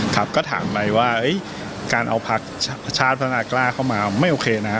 ก็ถามไปว่าการเอาพักชาติพนาคกราศเข้ามาไม่โอเคนะ